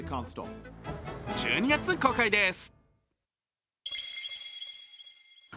１２月公開です。